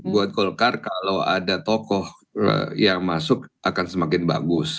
buat golkar kalau ada tokoh yang masuk akan semakin bagus